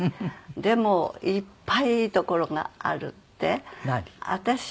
でもいっぱいいいところがあって。